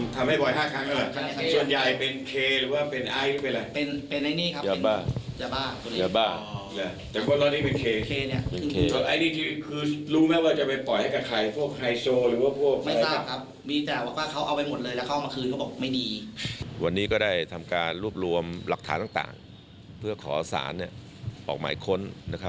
ที่จะทำรักฐานต่างเพื่อขอสารออกหมายค้น